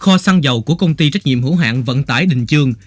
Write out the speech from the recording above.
kho xăng dầu của công ty trách nhiệm hữu hạng vận tải đình trương